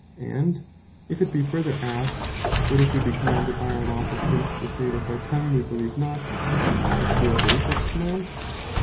And if it be further asked, What if wee bee commanded by our lawfull Prince, to say with our tongue, wee beleeve not; must we obey such command?